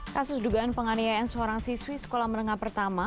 kasus dugaan penganiayaan seorang siswi sekolah menengah pertama